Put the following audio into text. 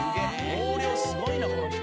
毛量すごいなこの人。